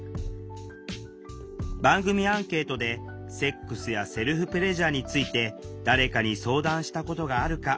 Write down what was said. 番組アンケートで「セックスやセルフプレジャーについて誰かに相談したことがあるか」